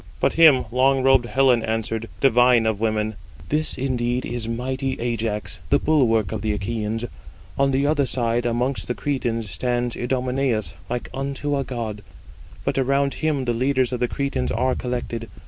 But him long robed Helen answered, divine of women: "This indeed is mighty Ajax, the bulwark of the Achæans: on the other side, amongst the Cretans, stands Idomeneus like unto a god: but around him the leaders of the Cretans are collected.